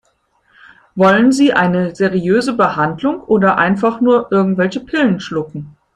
Wollen Sie eine seriöse Behandlung oder einfach nur irgendwelche Pillen schlucken?